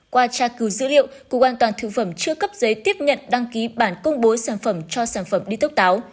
qua tra cứu dữ liệu cục an toàn thực phẩm chưa cấp giấy tiếp nhận đăng ký bản công bố sản phẩm cho sản phẩm đi tước táo